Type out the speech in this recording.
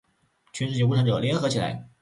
全世界无产者，联合起来！